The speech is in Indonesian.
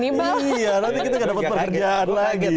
iya nanti kita gak dapat pekerjaan lagi